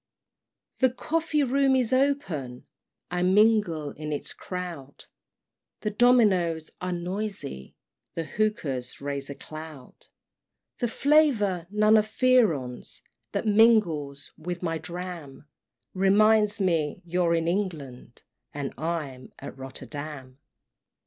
VI. The coffee room is open I mingle in its crowd, The dominos are noisy The hookahs raise a cloud; The flavor, none of Fearon's, That mingles with my dram, Reminds me you're in England, And I'm at Rotterdam.